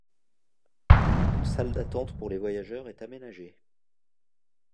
Une salle d'attente pour les voyageurs est aménagée.